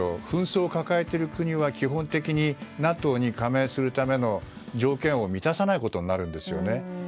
紛争を抱えている国は基本的にＮＡＴＯに加盟するための条件を満たさないことになるんですね。